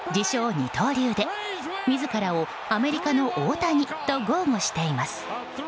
二刀流で自らをアメリカのオオタニと豪語しています。